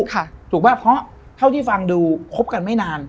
ถูกป่ะเพราะเท่าที่ฟังดูคบกันไม่นาน